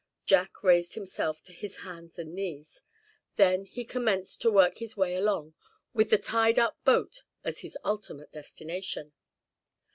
Jack raised himself to his hands and knees. Then he commenced to work his way along, with the tied up boat as his ultimate destination.